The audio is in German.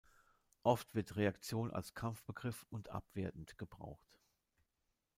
Oft wird „Reaktion“ als Kampfbegriff und abwertend gebraucht.